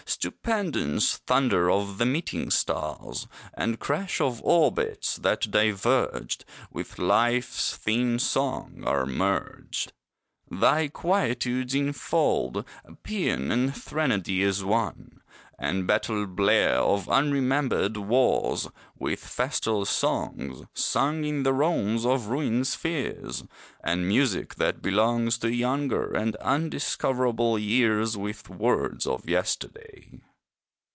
Stupendous thunder of the meeting stars, And crash of orbits that diverged, With Life's thin song are merged; Thy quietudes enfold Paean and threnody as one, And battle blare of unremembered wars With festal songs Sung in the Romes of ruined spheres, And music that belongs To younger, undiscoverable years With words of yesterday.